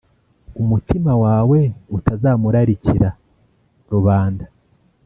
umutima wawe utazamurarikira rubanda